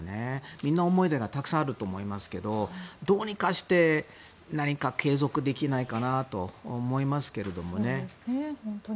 みんな思い出がたくさんあると思いますけどどうにかして何か継続できないかなと思いますけれどもね。